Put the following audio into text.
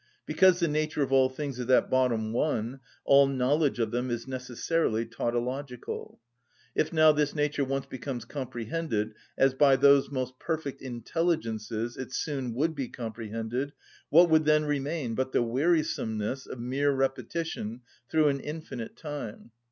Because the nature of all things is at bottom one, all knowledge of them is necessarily tautological. If now this nature once becomes comprehended, as by those most perfect intelligences it soon would be comprehended, what would then remain but the wearisomeness of mere repetition through an infinite time?